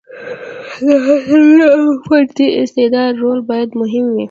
د هڅو او فردي استعداد رول باید مهم وي.